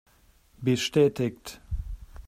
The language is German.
Bestätigt!